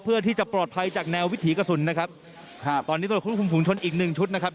เพื่อที่จะปลอดภัยจากแนววิถีกระสุนนะครับครับตอนนี้ตรวจค้นคุมภูมิชนอีกหนึ่งชุดนะครับ